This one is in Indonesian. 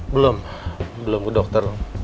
belum belum ke dokter